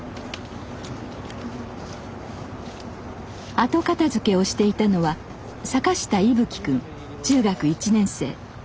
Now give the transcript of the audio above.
後片づけをしていたのは坂下一颯くん中学１年生。